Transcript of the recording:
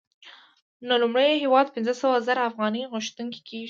نو لومړی هېواد پنځه سوه زره افغانۍ غوښتونکی کېږي